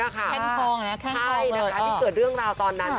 แค่คลอง